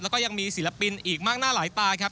แล้วก็ยังมีศิลปินอีกมากหน้าหลายตาครับ